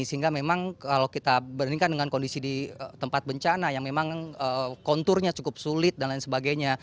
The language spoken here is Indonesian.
sehingga memang kalau kita bandingkan dengan kondisi di tempat bencana yang memang konturnya cukup sulit dan lain sebagainya